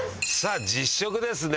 実食ですね。